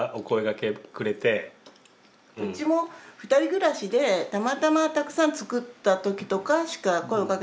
うちも２人暮らしでたまたまたくさん作った時とかしか声はかけない。